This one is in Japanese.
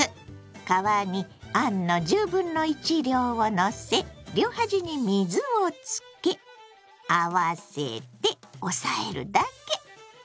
皮にあんの量をのせ両端に水をつけ合わせて押さえるだけ！